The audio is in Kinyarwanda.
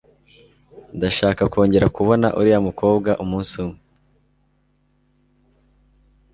Ndashaka kongera kubona uriya mukobwa umunsi umwe